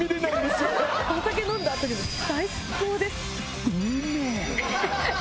・お酒飲んだ後にも最高です！